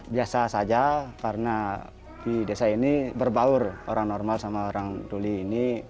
biasa saja karena di desa ini berbaur orang normal sama orang tuli ini